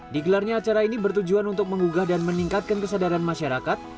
digelarnya acara ini bertujuan untuk menggugah dan meningkatkan kesadaran masyarakat